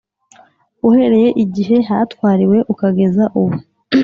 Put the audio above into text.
uhereye igihe hatwariwe ukageza ubu